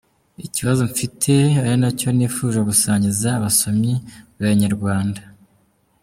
Ikibazo mfite ari nacyo nifuje gusangiza abasomyi ba Inyarwanda.